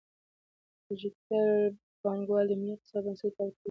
ډیجیټل بانکوالي د ملي اقتصاد بنسټ پیاوړی کوي.